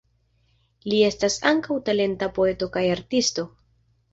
Li estis ankaŭ talenta poeto kaj artisto.